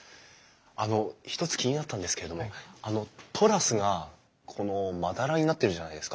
あの一つ気になったんですけれどもあのトラスがこのまだらになってるじゃないですか。